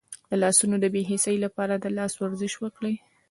د لاسونو د بې حسی لپاره د لاس ورزش وکړئ